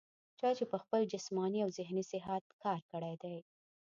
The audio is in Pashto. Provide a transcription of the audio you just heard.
چا چې پۀ خپل جسماني او ذهني صحت کار کړے دے